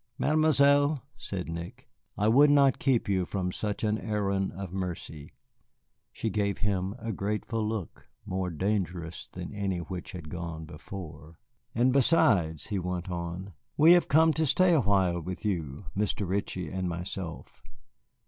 "Mademoiselle," said Nick, "I would not keep you from such an errand of mercy." She gave him a grateful look, more dangerous than any which had gone before. "And besides," he went on, "we have come to stay awhile with you, Mr. Ritchie and myself."